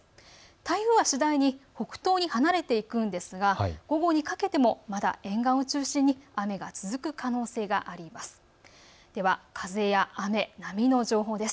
台風は次第に北東に離れていくんですが午後にかけてもまだ沿岸を中心に雨が続く可能性があります。